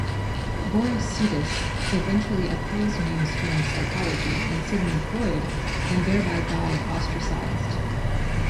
Boris Sidis eventually opposed mainstream psychology and Sigmund Freud, and thereby died ostracized.